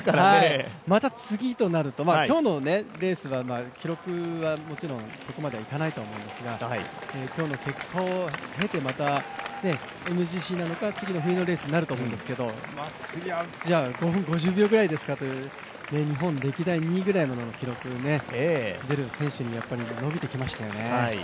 また次となると今日のレースは記録はもちろんそこまでいかないと思いますが、今日の結果を経て、またＭＧＣなのか、次の冬のレースになると思うんですけれども、次は５分５０秒ぐらいですかと日本歴代２位ぐらいの記録、出る選手に伸びてきましたよね。